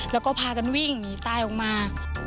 แล้วก็พากันวิ่งหนีตายออกมา